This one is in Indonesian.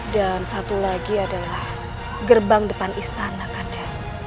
dan satu lagi adalah gerbang depan istana kanda